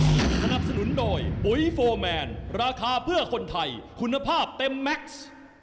สนับสนุนโดยปุ๋ยโฟร์แมนราคาเพื่อคนไทยคุณภาพเต็มแม็กซ์